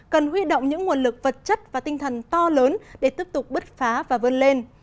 cần huy động những nguồn lực vật chất và tinh thần to lớn để tiếp tục bứt phá và vươn lên